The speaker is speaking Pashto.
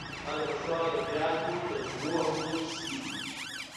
دا د پښتو ادبیاتو د دوو حوزو کیسې دي.